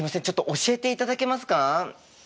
ちょっと教えていただけますか？